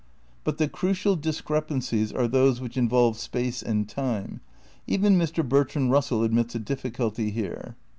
But the crucial discrepancies are those which involve space and time. Even Mr. Bertrand Russell admits a difficulty here.